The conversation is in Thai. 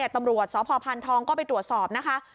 ตำรวจสพพานทองก็ไปตรวจสอบนะคะ